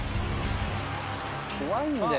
怖いんだよ